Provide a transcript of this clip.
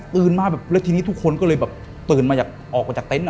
มาแบบแล้วทีนี้ทุกคนก็เลยแบบตื่นมาจากออกมาจากเต็นต์อ่ะ